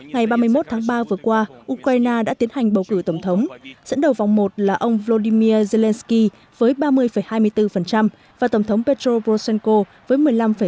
ngày ba mươi một tháng ba vừa qua ukraine đã tiến hành bầu cử tổng thống dẫn đầu vòng một là ông vladimir zelensky với ba mươi hai mươi bốn và tổng thống petro poshenko với một mươi năm năm